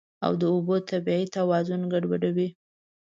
او د اوبو طبیعي توازن ګډوډوي.